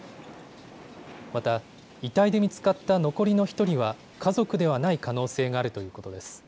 また遺体で見つかった残りの１人は家族ではない可能性があるということです。